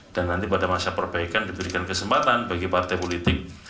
dan nanti pada masa perbaikan diberikan kesempatan bagi partai politik